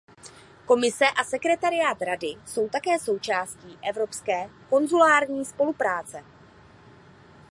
Komise a sekretariát Rady jsou také součástí Evropské konzulární spolupráce.